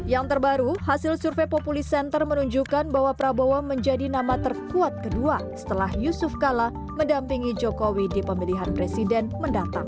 yang terbaru hasil survei populi center menunjukkan bahwa prabowo menjadi nama terkuat kedua setelah yusuf kala mendampingi jokowi di pemilihan presiden mendatang